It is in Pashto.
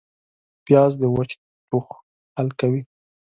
پیاز د وچ ټوخ حل کوي